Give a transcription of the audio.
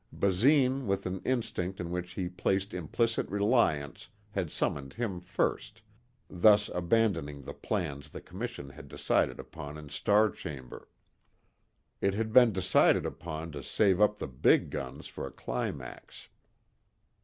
Basine with an instinct in which he placed implicit reliance had summoned him first, thus abandoning the plans the commission had decided upon in star chamber. It had been decided upon to save up the big guns for a climax.